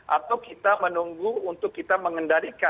atau kita menunggu untuk kita mengendalikan